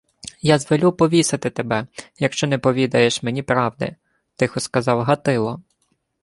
— Я звелю повісити тебе, якщо не повідаєш мені правди, — тихо сказав Гатило.